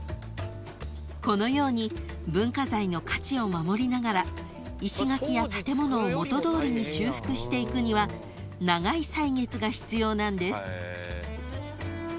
［このように文化財の価値を守りながら石垣や建物を元どおりに修復していくには長い歳月が必要なんです］